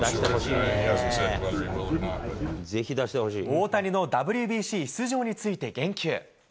大谷のＷＢＣ出場について言及。